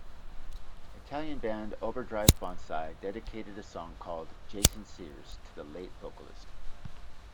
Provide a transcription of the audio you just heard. Italian band Overdrive Bonzai dedicated a song called "Jason Sears" to the late vocalist.